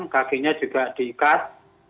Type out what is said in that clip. kakinya juga diikat